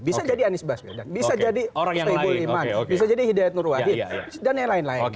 bisa jadi anies baswedan bisa jadi soebul iman bisa jadi hidayat nurwajib dan yang lain lain